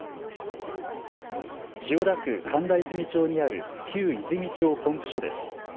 千代田区神田和泉町にある旧和泉町ポンプ所です。